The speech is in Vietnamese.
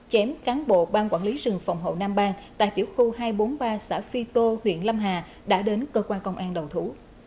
chém cán bộ ban quản lý rừng phòng hậu nam bang tại tiểu khu hai trăm bốn mươi ba xã phi tô huyện lâm hà đã đến cơ quan công an đầu thú